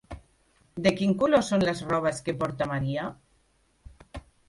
De quin color són les robes que porta Maria?